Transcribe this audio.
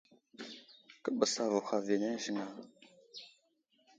Kə ɓes avuh aviyenene ziŋ a ?